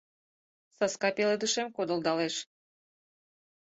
Саска пеледышем кодылдалеш.